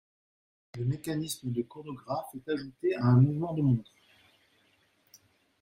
Le mécanisme de chronographe est ajouté à un mouvement de montre.